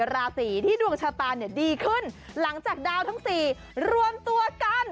ราศีที่ดวงชะตาเนี่ยดีขึ้นหลังจากดาวทั้ง๔รวมตัวกัน